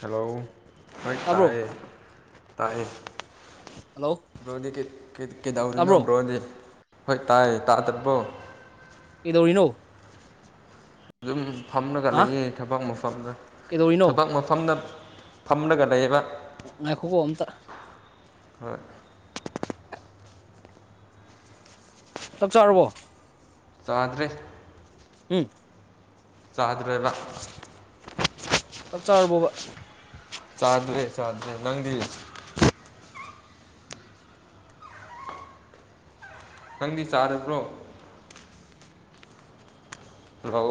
hello ꯍꯣꯏ ꯇꯥꯕ꯭ꯔꯣ ꯇꯥꯏꯌꯦ ꯇꯥꯏꯌꯦ ꯍꯜꯂꯣ ꯭ꯔꯣꯗꯤ ꯇꯥꯕ꯭ꯔꯣ ꯀꯗꯧꯔꯤꯅꯣ ꯭ꯔꯣꯗꯤ ꯍꯣꯏ ꯇꯥꯏ ꯇꯥ ꯇꯠꯄꯣ ꯀꯩꯗꯧꯔꯤꯅꯣ ꯑꯗꯨꯝ ꯐꯝꯂꯒ ꯍꯥ ꯂꯩꯌꯦ ꯊꯕꯛ ꯃꯐꯝꯗ ꯀꯩꯗꯧꯔꯤꯅꯣ ꯊꯕꯛ ꯃꯐꯝꯗ ꯐꯝꯂꯒ ꯂꯩꯕ ꯉꯥꯏꯈꯣꯀꯣ ꯑꯝꯇ ꯍꯣꯏ ꯆꯞ ꯆꯥꯨꯔꯕꯣ ꯆꯥꯗ꯭ꯔꯦ ꯎꯝ ꯆꯥꯗ꯭ꯔꯕ ꯆꯥꯛ ꯆꯥꯎꯔꯕꯣꯕ ꯆꯥꯗꯔꯦ ꯆꯥꯗꯦ ꯅꯪꯗꯤ ꯅꯪꯗꯤ ꯆꯥꯔꯕ꯭ꯔꯣ ꯚꯣ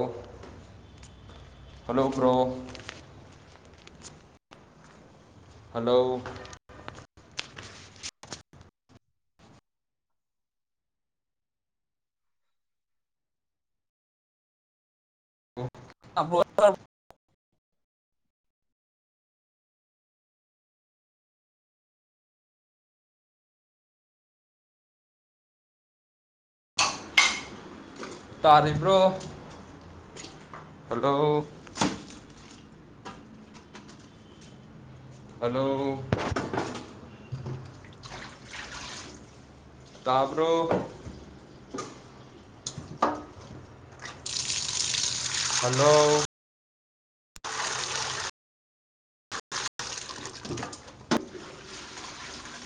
ꯍꯜꯂꯣ ꯄ꯭ꯔꯣ ꯍꯂꯣ ꯑꯣ [unintelligible] ꯇꯥꯔꯤꯕ꯭ꯔꯣ ꯍꯜꯂꯣ ꯍꯂꯣ ꯇꯥꯔꯕꯣ ꯍꯜꯂꯣ